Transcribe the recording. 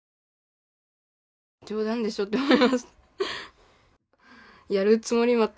「冗談でしょ？」って思いました。